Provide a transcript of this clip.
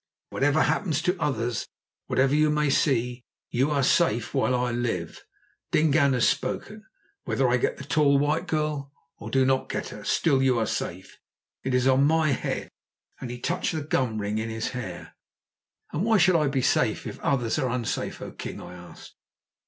Whatever happens to others, whatever you may see, you are safe while I live. Dingaan has spoken. Whether I get the tall white girl, or do not get her, still you are safe; it is on my head," and he touched the gum ring in his hair. "And why should I be safe if others are unsafe, O king?" I asked.